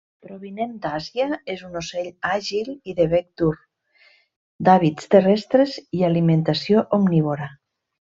Provinent d'Àsia, és un ocell àgil i de bec dur, d'hàbits terrestres i alimentació omnívora.